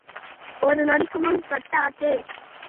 ஒரு நொடிக்குமுன் கட்டு ஆச்சே.